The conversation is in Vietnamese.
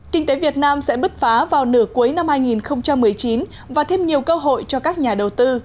kinh tế việt nam sẽ bứt phá vào nửa cuối năm hai nghìn một mươi chín và thêm nhiều cơ hội cho các nhà đầu tư